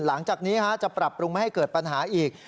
หลังจากนี้จะปรับปรุงไม่ให้เกิดปัญหาอีก